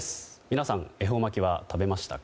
皆さん、恵方巻きは食べましたか？